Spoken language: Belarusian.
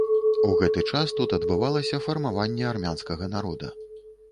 У гэты час тут адбывалася фармаванне армянскага народа.